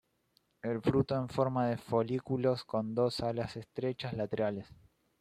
El fruto en forma de folículos con dos alas estrechas laterales.